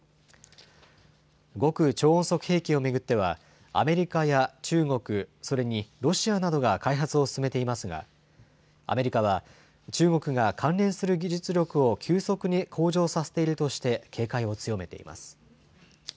極超音速兵器を巡っては、アメリカや中国、それにロシアなどが開発を進めていますが、アメリカは中国が関連する技術力を急速に向上させているとして警戒を強めています。